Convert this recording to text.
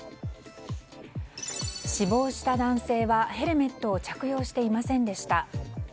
死亡した男性はヘルメットを着用していませんでした。